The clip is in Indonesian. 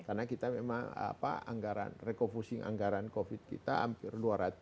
karena kita memang anggaran rekofusing anggaran covid kita hampir dua ratus dua ratus